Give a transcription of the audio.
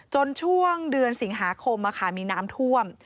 ช่วงเดือนสิงหาคมมีน้ำท่วม